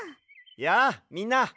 やあみんな！